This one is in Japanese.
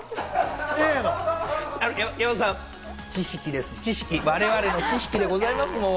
山里さん、知識です、我々の知識でございます。